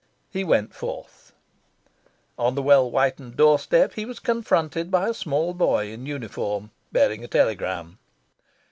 He went forth. On the well whitened doorstep he was confronted by a small boy in uniform bearing a telegram.